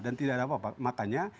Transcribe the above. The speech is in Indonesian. dan tidak ada apa apa makanya